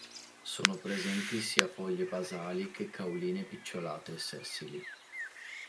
Sono presenti sia foglie basali che cauline picciolate e sessili.